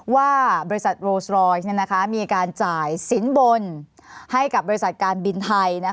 ว่าบริษัทโรสรอยมีการจ่ายสินบนให้กับบริษัทการบินไทย